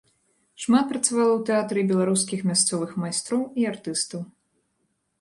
Шмат працавала ў тэатры і беларускіх мясцовых майстроў і артыстаў.